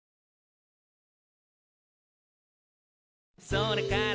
「それから」